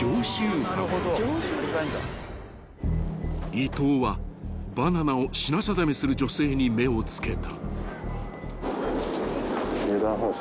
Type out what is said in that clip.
［伊東はバナナを品定めする女性に目を付けた］